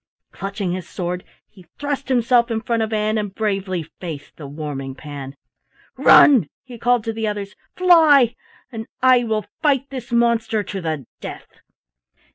Clutching his sword, he thrust himself in front of Ann and bravely faced the Warming pan. "Run!" he called to the others, "Fly! and I will fight this monster to the death."